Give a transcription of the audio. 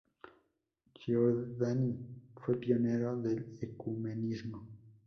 Giordani fue pionero del ecumenismo.